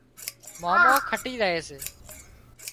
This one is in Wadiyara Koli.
مامو کٽِي زائي سي